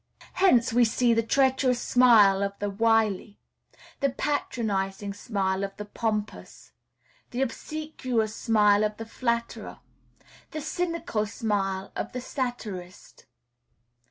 Hence, we see the treacherous smile of the wily; the patronizing smile of the pompous; the obsequious smile of the flatterer; the cynical smile of the satirist.